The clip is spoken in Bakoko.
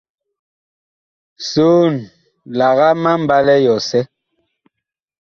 Soon, lagaa ma mbalɛ yɔsɛ.